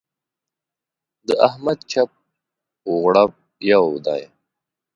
د احمد چپ و غړوپ يو دی.